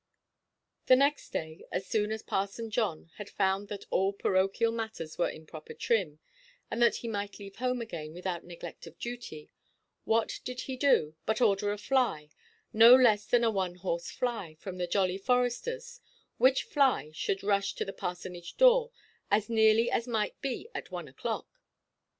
The next day, as soon as Parson John had found that all parochial matters were in proper trim, and that he might leave home again without neglect of duty, what did he do but order a fly, no less than a one–horse fly, from the "Jolly Foresters;" which fly should rush to the parsonage–door, as nearly as might be, at one oʼclock?